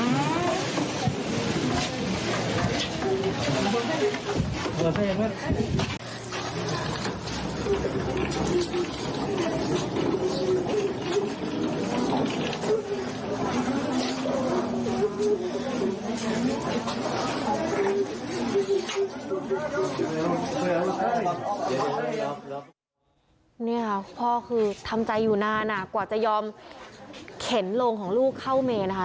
นี่ค่ะพ่อคือทำใจอยู่นานกว่าจะยอมเข็นโลงของลูกเข้าเมนนะคะ